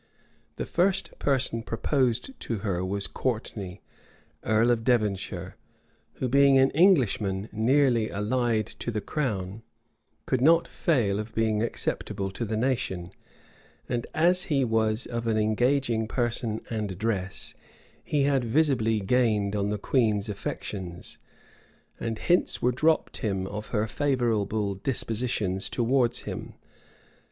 The first person proposed to her was Courtney, earl of Devonshire, who, being an Englishman nearly allied to the crown, could not fail of being acceptable to the nation; and as he was of an engaging person and address, he had visibly gained on the queen's affections,[] and hints were dropped him of her favorable dispositions towards him.